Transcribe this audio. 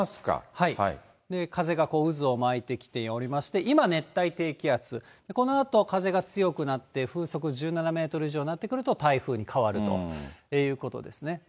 はい、風が渦を巻いてきておりまして、今熱帯低気圧、このあと風が強くなって、風速１７メートル以上になってくると、台風に変わるということですね。